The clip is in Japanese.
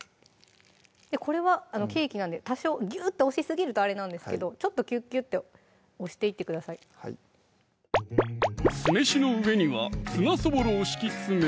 これはケーキなんで多少ギュッと押しすぎるとあれなんですけどちょっとキュッキュッて押していってください酢飯の上にはツナそぼろを敷き詰め